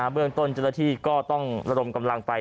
เรื่องต้นเจ้าหน้าที่ก็ต้องระดมกำลังไป